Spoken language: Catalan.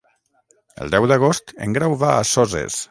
El deu d'agost en Grau va a Soses.